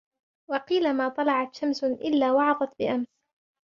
وَقِيلَ مَا طَلَعَتْ شَمْسٌ ، إلَّا وَعَظَتْ بِأَمْسٍ